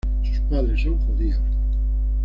Sus padres son judíos.